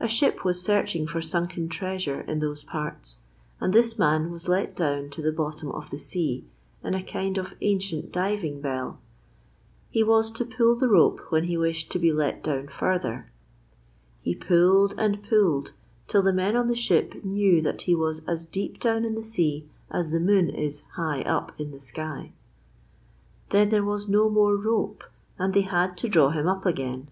A ship was searching for sunken treasure in those parts and this man was let down to the bottom of the sea in a kind of ancient diving bell. He was to pull the rope when he wished to be let down further. He pulled and pulled till the men on the ship knew that he was as deep down in the sea as the moon is high up in the sky; then there was no more rope and they had to draw him up again.